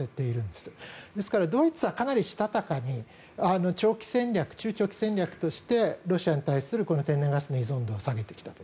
ですから、ドイツはかなりしたたかで中長期戦略としてロシアに対するこの天然ガスの依存度を下げてきたと。